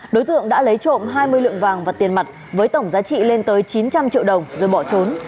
đối tượng đã lấy trộm hai mươi lượng vàng và tiền mặt với tổng giá trị lên tới chín trăm linh triệu đồng rồi bỏ trốn